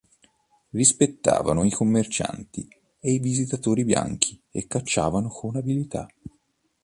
Rispettavano i commercianti ed i visitatori bianchi e cacciavano con abilità.